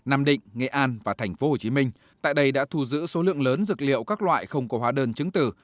nam định nghệ an và tp hcm tại đây đã thu giữ số lượng lớn dược liệu các loại không có hóa đơn chứng tử